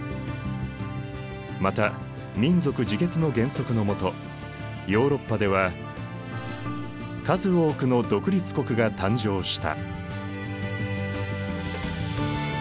また民族自決の原則のもとヨーロッパでは数多くの独立国が誕生した。